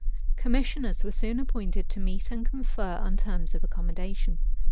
Commissioners were soon appointed to meet and confer on terms of accommodation.